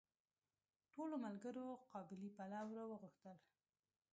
ټولو ملګرو قابلي پلو راوغوښتل.